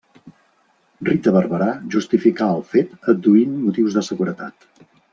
Rita Barberà justificà el fet adduint motius de seguretat.